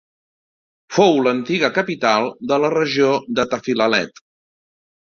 Fou l'antiga capital de la regió de Tafilalet.